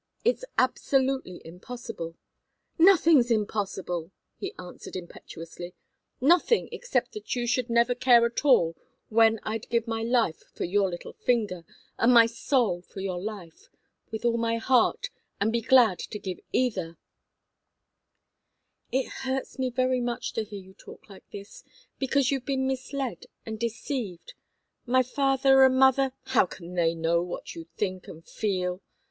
It's absolutely impossible." "Nothing's impossible!" he answered, impetuously. "Nothing except that you should never care at all when I'd give my life for your little finger, and my soul for your life with all my heart, and be glad to give either " "It hurts me very much to hear you talk like this because you've been misled and deceived my father and mother " "How can they know what you think and feel?"